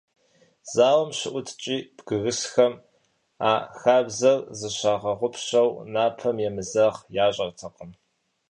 Зауэм щыӀуткӀи, бгырысхэм, а хабзэр зыщагъэгъупщэу, напэм емызэгъ ящӀэртэкъым.